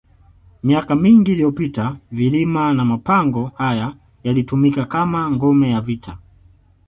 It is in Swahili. Miaka mingi iliyopita vilima na mapango haya yalitumika kama ngome ya vita